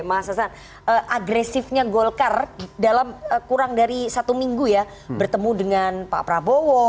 mas hasan agresifnya golkar dalam kurang dari satu minggu ya bertemu dengan pak prabowo